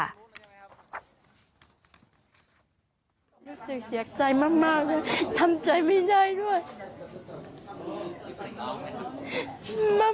รู้สึกเสียใจมากเลยทำใจไม่ได้ด้วย